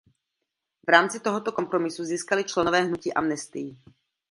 V rámci tohoto kompromisu získali členové hnutí amnestii.